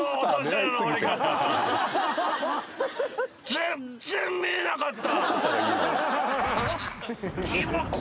全然見えなかった！